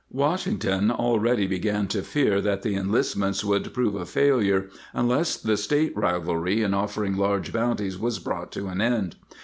^ Washington already began to fear that the enlistments would prove a failure unless the State rivalry in offering large bounties was brought to an end.